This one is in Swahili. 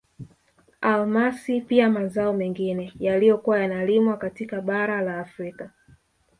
Almasi pia mazao mengine yaliyokuwa yanalimwa katika bara la Afrika